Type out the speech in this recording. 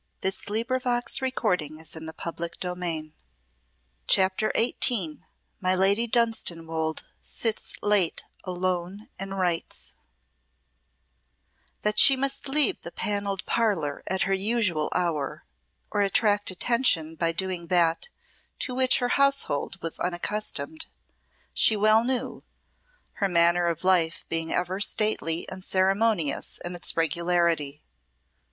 "Come away, sister," she said, "for a little while come away." CHAPTER XVIII My Lady Dunstanwolde sits late alone and writes That she must leave the Panelled Parlour at her usual hour, or attract attention by doing that to which her household was unaccustomed, she well knew, her manner of life being ever stately and ceremonious in its regularity.